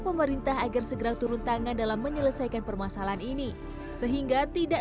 pemerintah agar segera turun tangan dalam menyelesaikan permasalahan ini sehingga tidak